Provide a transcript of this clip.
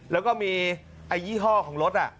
แล้วก็มีอัยหิภาพของรถ